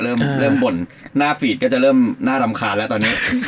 เริ่มเริ่มบ่นหน้าฟีดก็จะเริ่มน่ารำคาญแล้วตอนนี้